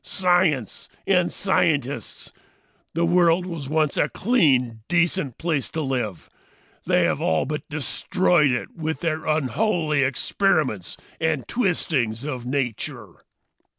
Science and scientists! The world was once a clean, decent place to live. They have all but destroyed it with their unholy experiments and twistings of nature.